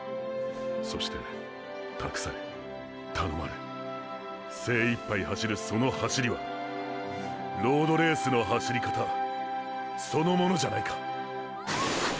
そして託され頼まれ精一杯走るその走りはロードレースの走り方そのものじゃないか。